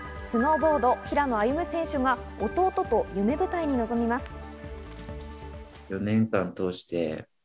スノーボード・平野歩夢選手が弟と夢舞台に望みます。